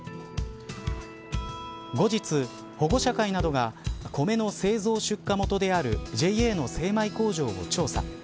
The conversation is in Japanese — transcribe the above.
後日、保護者会などが米の製造出荷元であるＪＡの精米工場を調査。